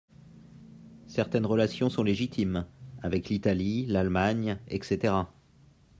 Certaines relations sont légitimes, avec l’Italie, l’Allemagne etc.